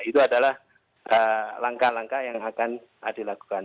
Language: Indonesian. itu adalah langkah langkah yang akan dilakukan